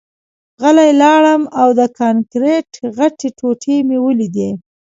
غلی لاړم او د کانکریټ غټې ټوټې مې ولیدې